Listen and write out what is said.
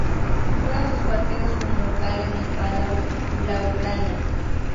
Juega sus partidos como local en el Palau Blaugrana.